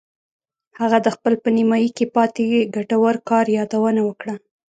هغه د خپل په نیمایي کې پاتې ګټور کار یادونه وکړه